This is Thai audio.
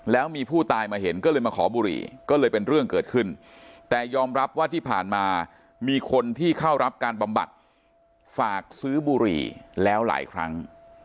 แล้วมีผู้ตายมาเห็นก็เลยมาขอบุหรี่ก็เลยเป็นเรื่องเกิดขึ้นแต่ยอมรับว่าที่ผ่านมามีคนที่เข้ารับการบำบัดฝากซื้อบุหรี่แล้วหลายครั้ง